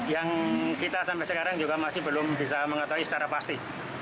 yang kita sampai sekarang juga masih belum bisa mengetahui secara pasti